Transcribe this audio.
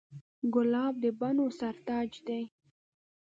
ګلاب د بڼو سر تاج دی.